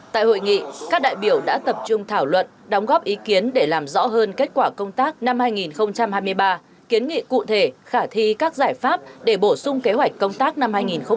tại hội nghị các đại biểu đã tập trung thảo luận đóng góp ý kiến để làm rõ hơn kết quả công tác năm hai nghìn hai mươi ba kiến nghị cụ thể khả thi các giải pháp để bổ sung kế hoạch công tác năm hai nghìn hai mươi bốn